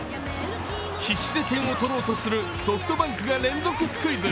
必死で点を取ろうとするソフトバンクが連続スクイズ。